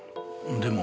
でも。